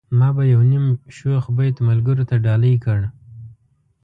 ما به يو نيم شوخ بيت ملګرو ته ډالۍ کړ.